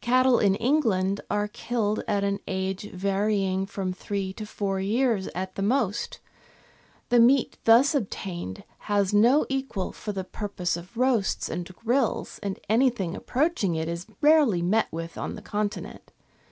Cattle in England are killed at an age varying from three to four years at the most; the meat thus obtained has no equal for the purpose of roasts and grills, and anything approaching it is rarely met with on the Continent.